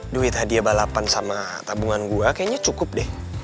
duit hadiah balapan sama tabungan gue kayaknya cukup deh